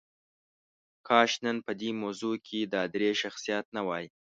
کاش نن په دې موضوع کې دا درې شخصیات نه وای.